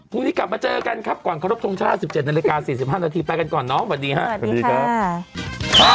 พรุ่งนี้กลับมาเจอกันครับก่อนครบทรงชาติ๑๗นาฬิกา๔๕นาทีไปกันก่อนน้องสวัสดีค่ะ